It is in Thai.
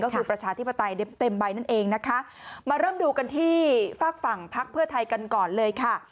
ก็คือประชาธิปไตยเต็มใบนั่นเองนะคะมาเริ่มดูกันที่ฝากฝั่งพักเพื่อไทยกันก่อนเลยค่ะ